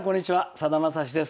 さだまさしです。